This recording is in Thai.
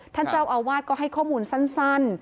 ท่านเจ้าอาวาสก็ให้ข้อมูลสั้น